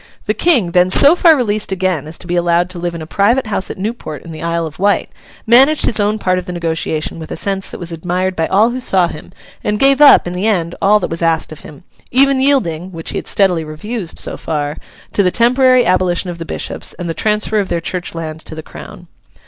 The King, then so far released again as to be allowed to live in a private house at Newport in the Isle of Wight, managed his own part of the negotiation with a sense that was admired by all who saw him, and gave up, in the end, all that was asked of him—even yielding (which he had steadily refused, so far) to the temporary abolition of the bishops, and the transfer of their church land to the Crown.